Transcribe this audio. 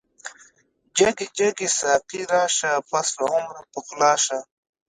جګی جګی ساقی راشه، پس له عمره راپخلا شه